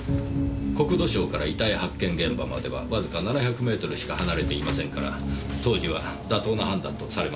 国土省から遺体発見現場まではわずか７００メートルしか離れていませんから当時は妥当な判断とされました。